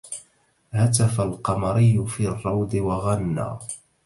هتف القمري في الروض وغنى